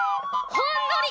ほんのり！